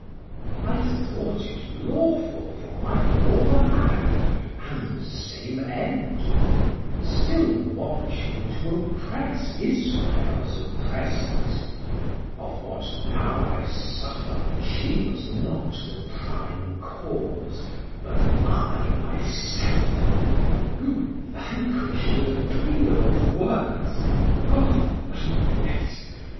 230 I thought it lawful from my former act, And the same end; still watching to oppress Israel's oppressours: of what now I suffer She was not the prime cause, but I my self, Who vanquisht with a peal of words (O weakness!)